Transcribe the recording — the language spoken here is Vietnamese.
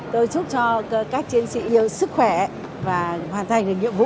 tôi chúc cho các chiến sĩ yêu sức khỏe và hoàn thành được nhiệm vụ